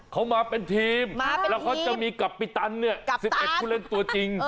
เขามาเป็นทีมแล้วเขาจะมีกัปปิตัน๑๑ผู้เล่นตัวจริง